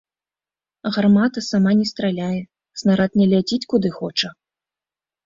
Гармата сама не страляе, снарад не ляціць куды хоча.